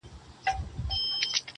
هر موږك سي دېوالونه سوري كولاى.!